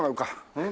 うん？